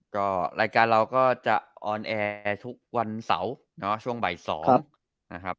ก็รายการเราก็จะออนแอร์ทุกวันเสาร์ช่วงบ่าย๒นะครับ